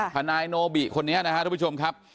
ทนายโนบิคนนี้นะครับทุกผู้ชมครับ